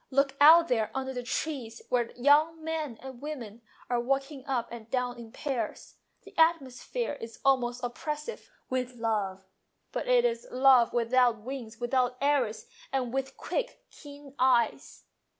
" Look out there under the trees where the young men and women are walking up and down in pairs. The atmosphere is almost oppressive with love, but it is a love without wings, without arrows, and with quick, keen eyes.